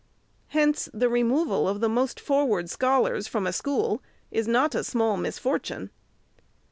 Hence the removal of the most forward scholars from a school is not a small misfortune.